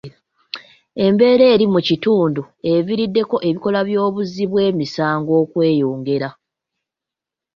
Embeera eri mu kitundu eviiriddeko ebikolwa by'obuzzi bw'emisango okweyongera.